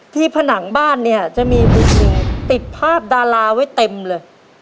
ผนังบ้านเนี่ยจะมีมุมหนึ่งติดภาพดาราไว้เต็มเลย